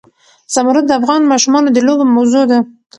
زمرد د افغان ماشومانو د لوبو موضوع ده.